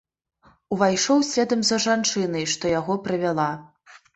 Увайшоў следам за жанчынай, што яго прывяла.